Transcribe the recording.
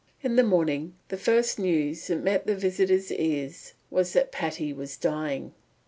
In the morning the first news that met the visitors' ears was that Patty was dying.